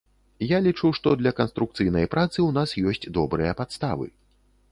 Я лічу, што для канструкцыйнай працы у нас ёсць добрыя падставы.